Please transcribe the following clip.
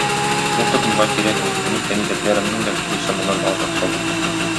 Бу кыз миңа кирәкми, минем кәнизәкләремнең дә күбесе моннан артык сылу.